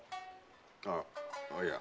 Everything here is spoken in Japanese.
ああいや